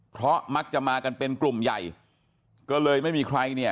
เพราะมักจะมากันเป็นกลุ่มใหญ่ก็เลยไม่มีใครเนี่ย